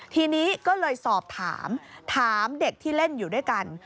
ทีนี้ก็เลยสอบถามถามเด็กที่เล่นอยู่ด้วยกัน